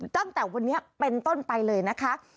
ตั้งแต่วันนี้เป็นต้นไปเลยนะคะ